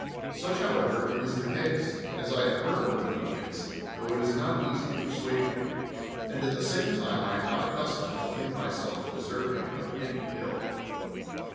Such, however, is the case, as I affirm, O Athenians, tho it is not easy to persuade you. And at the same time I am not accustomed to think myself deserving of any ill.